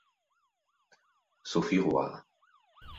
Sophie Rois